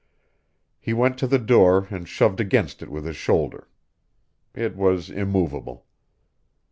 He went to the door and shoved against it with his shoulder. It was immovable.